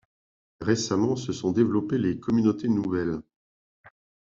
Récemment, se sont développées les communautés nouvelles.